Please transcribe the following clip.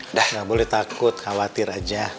udah gak boleh takut khawatir aja